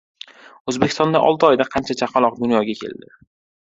O‘zbekistonda olti oyda qancha chaqaloq dunyoga keldi?